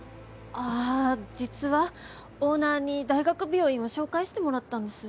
あ実はオーナーに大学病院を紹介してもらったんです。